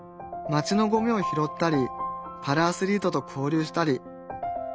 街のゴミを拾ったりパラアスリートと交流したり。